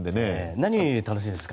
何が楽しいですか？